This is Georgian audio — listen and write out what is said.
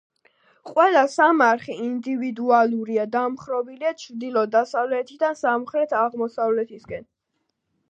ყველა სამარხი ინდივიდუალურია, დამხრობილია ჩრდილო-დასავლეთითან სამხრეთ-აღმოსავლეთისაკენ.